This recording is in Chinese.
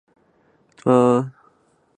迁福建参政。